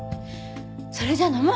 それじゃあ飲もう！